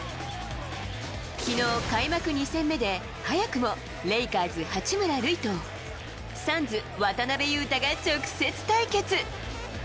きのう、開幕２戦目で早くもレイカーズ、八村塁と、サンズ、渡邊雄太が直接対決。